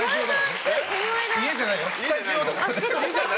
家じゃないよ。